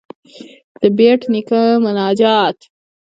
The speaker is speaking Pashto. ددبېټ نيکه مناجات.